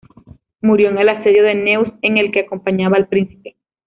Murió en el asedio de Neuss, en el que acompañaba al príncipe.